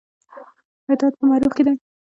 اطاعت په معروف کې دی